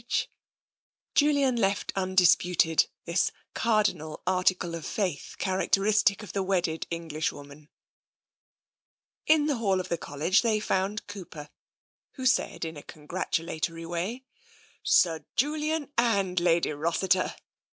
TENSION 91 Julian left undisputed this cardinal article of faith characteristic of the wedded Englishwoman. In the hall of the College they found Cooper, who said in a congratulatory way, " Sir Julian and Lady Rossiter